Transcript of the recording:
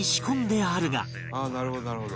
「ああなるほどなるほど」